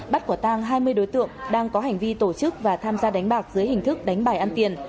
bắt quả tang hai mươi đối tượng đang có hành vi tổ chức và tham gia đánh bạc dưới hình thức đánh bài ăn tiền